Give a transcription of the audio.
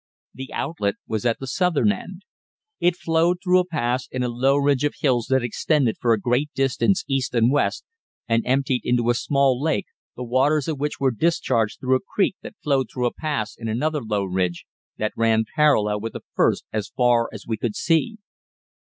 The outlet was at the southern end. It flowed through a pass in a low ridge of hills that extended for a great distance east and west, and emptied into a small lake, the waters of which were discharged through a creek that flowed through a pass in another low ridge that ran parallel with the first as far as we could see.